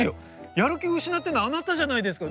やる気失ってるのあなたじゃないですか！